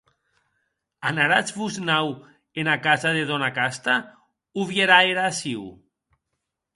Anaratz vos naut, ena casa de dòna Casta o vierà era aciu?